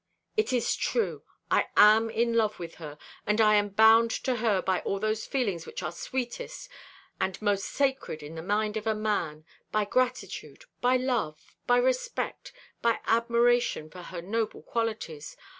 "It is true. I am in love with her; and I am bound to her by all those feelings which are sweetest and most sacred in the mind of a man by gratitude, by love, by respect, by admiration for her noble qualities.